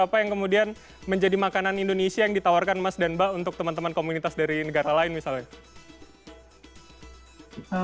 apa yang kemudian menjadi makanan indonesia yang ditawarkan mas dan mbak untuk teman teman komunitas dari negara lain misalnya